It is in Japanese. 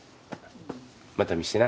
また見してな。